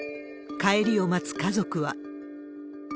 帰りを待つ家族は。